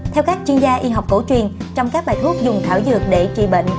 theo các chuyên gia y học cổ truyền trong các bài thuốc dùng thảo dược để trị bệnh